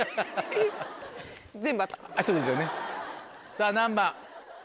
さぁ何番？